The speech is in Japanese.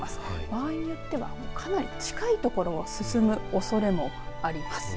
場合によってはかなり近いところを進むおそれもあります。